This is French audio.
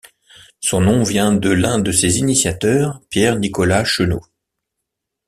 Son nom vient de l'un de ses initiateur, Pierre-Nicolas Chenaux.